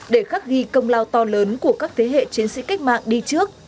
để khắc ghi công lao to lớn của các thế hệ chiến sĩ cách mạng đi trước